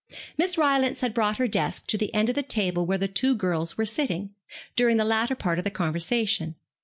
Miss Rylance had brought her desk to that end of the table where the two girls were sitting, during the latter part of the conversation.